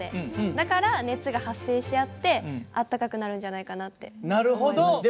だから熱が発生しあってあったかくなるんじゃないかなって思います。